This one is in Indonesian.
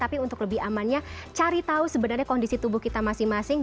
tapi untuk lebih amannya cari tahu sebenarnya kondisi tubuh kita masing masing